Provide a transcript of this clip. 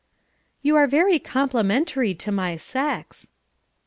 "You are very complimentary to my sex."